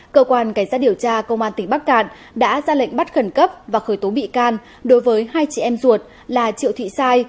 cơ quan cảnh sát điều tra công an tỉnh bắc cạn đã ra lệnh bắt khẩn cấp và khởi tố bị can đối với hai chị em ruột là triệu thị sai